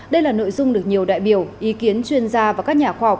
đây là nội dung được nhiều đại biểu ý kiến chuyên gia và các nhà khoa học